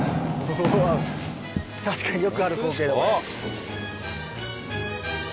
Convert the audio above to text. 確かによくある光景だこれ。